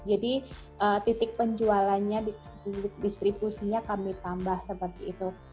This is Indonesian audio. jadi titik penjualannya titik distribusinya kami tambah seperti itu